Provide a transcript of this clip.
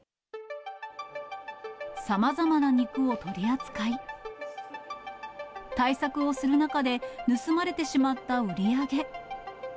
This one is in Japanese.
さまざまな肉を取り扱い、対策をする中で盗まれてしまった売り上げ。